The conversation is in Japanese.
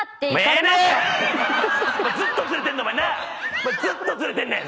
お前ずっとずれてんねん！